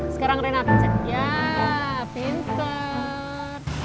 sekarang renakan cek ya pinter